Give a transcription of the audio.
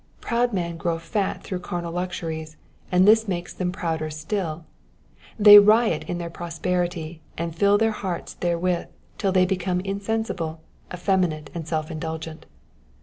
I'roud men grow fat through carnal luxuries, and this makes them prouder still. They riot in their prosperity, and fill their hearts therewith till they become insensible, effeminate, . and self indulgent.